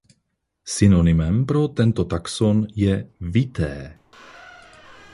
Synonymem pro tento taxon je Vitae.